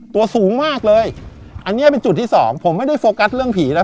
ตัวสูงมากเลยอันเนี้ยเป็นจุดที่สองผมไม่ได้โฟกัสเรื่องผีนะ